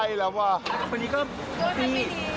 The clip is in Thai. อย่าปี่